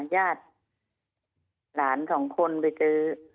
ยาดหลาน๒คนไปเจอ